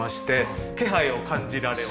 気配を感じられます。